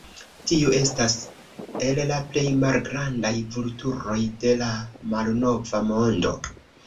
Tiu estas el la plej malgrandaj vulturoj de la Malnova Mondo.